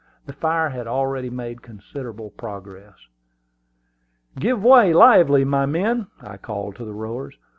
The fire had already made considerable progress. "Give way, lively, my men!" I called to the rowers.